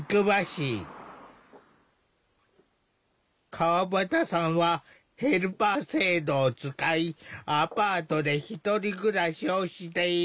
川端さんはヘルパー制度を使いアパートで１人暮らしをしている。